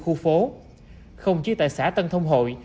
khu phố không chỉ tại xã tân thông hội